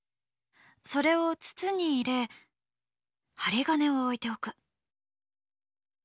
それを筒に入れ針金を置いておく。